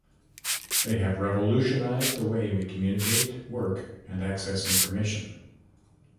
They have revolutionized the way we communicate, work, and access information.